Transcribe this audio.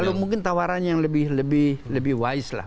kalau mungkin tawaran yang lebih wise lah